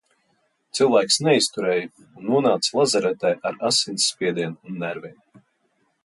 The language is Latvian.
Cilvēks neizturēja un nonāca lazaretē ar asinsspiedienu un nerviem.